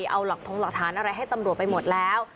เอาหลักทงหลักฐานอะไรให้ตำรวจไปหมดแล้ว